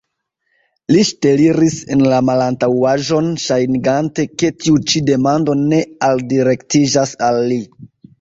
Li ŝteliris en la malantaŭaĵon, ŝajnigante, ke tiu ĉi demando ne aldirektiĝas al li.